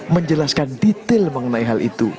menjelaskan detail mengenai hal itu